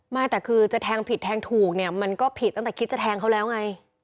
ไม่แต่คือจะแทงผิดแทงถูกเนี่ยมันก็ผิดตั้งแต่คิดจะแทงเขาแล้วไง